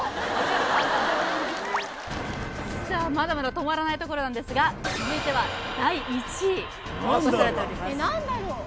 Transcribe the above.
さあまだまだ止まらないところなんですが続いては第１位えっ何だろう